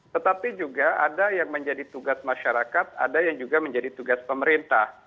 tetapi juga ada yang menjadi tugas masyarakat ada yang juga menjadi tugas pemerintah